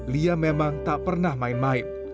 lia memang tak pernah main main